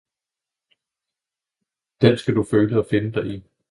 den skal du føle og finde dig i!